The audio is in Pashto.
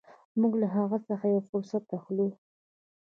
موږ له هغه څخه یو فرصت اخلو.